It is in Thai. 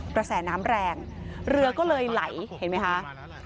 กระแสน้ำแรงเรือก็เลยไหลเห็นไหมคะ